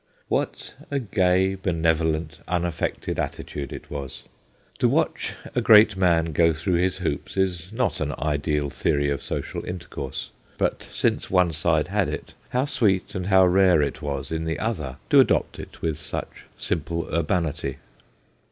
What a gay, benevolent, unaffected attitude it was ! To watch a great man go througli his hoops is not an ideal theory of social intercourse ; but since one side had it, how sweet and how rare it was in the other to adopt it with such simple urbanity.